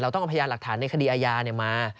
ต้องเอาพยานหลักฐานในคดีอาญามา